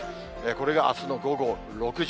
これがあすの午後６時。